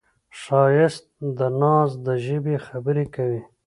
ښایست د ناز د ژبې خبرې کوي